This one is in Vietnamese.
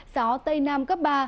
gió tây nam cấp ba